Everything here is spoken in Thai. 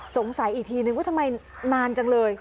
สงสัยอีกทีหนึ่งว่าทำไมนานจังเลย